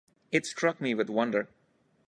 It struck me with wonder.